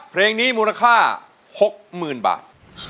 เพลงนี้มูลค่า๖๐๐๐บาท